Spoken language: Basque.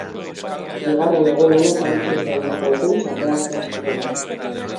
Bigarren egun honetan beste hainbeste autobus ateratzea espero da.